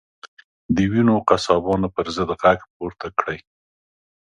د وینو قصابانو پر ضد غږ پورته کړئ.